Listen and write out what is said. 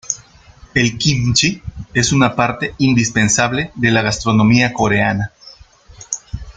El kimchi es una parte indispensable de la gastronomía coreana.